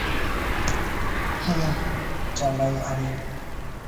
হ্যাঁ, চালাই আমি।